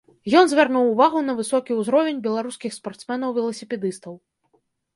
Ён звярнуў увагу на высокі ўзровень беларускіх спартсмэнаў-веласіпедыстаў.